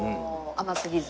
甘すぎず？